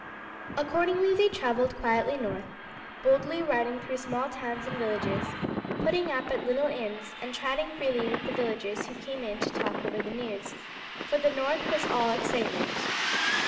Accordingly they travelled quietly north, boldly riding through small towns and villages, putting up at little inns, and chatting freely with the villagers who came in to talk over the news, for the north was all excitement.